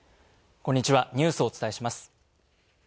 こんにちは、ニュースをお伝えします。